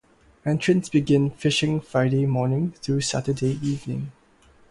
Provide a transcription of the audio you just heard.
Entrants begin fishing Friday morning through Saturday evening.